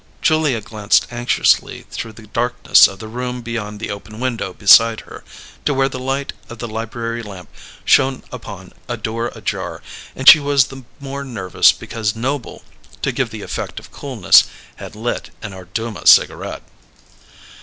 Julia glanced anxiously through the darkness of the room beyond the open window beside her, to where the light of the library lamp shone upon a door ajar; and she was the more nervous because Noble, to give the effect of coolness, had lit an Orduma cigarette.